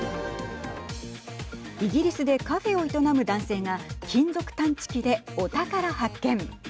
イギリスでカフェを営む男性が金属探知機でお宝発見。